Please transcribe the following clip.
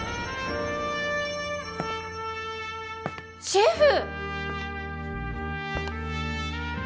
シェフ！